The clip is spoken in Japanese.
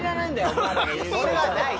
それはない。